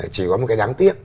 chỉ có một cái đáng tiếc